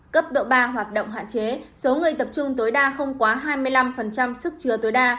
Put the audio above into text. cấp độ ba hoạt động hạn chế số người tập trung tối đa không quá hai mươi năm sức chứa tối đa